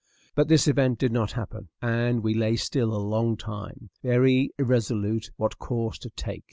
But this event did not happen; and we lay still a long time, very irresolute what course to take.